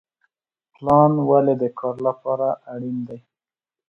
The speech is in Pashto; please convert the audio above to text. پلان ولې د کار لپاره اړین دی؟